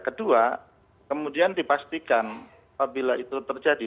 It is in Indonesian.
kedua kemudian dipastikan apabila itu terjadi